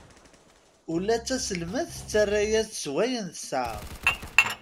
Ula d taselmadt tettara-yas-d s wayen tesɛa.